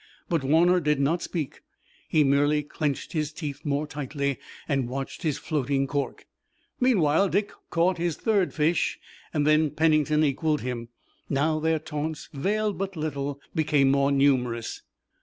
But Warner did not speak. He merely clenched his teeth more tightly and watched his floating cork. Meanwhile Dick caught his third fish and then Pennington equaled him. Now their taunts, veiled but little, became more numerous.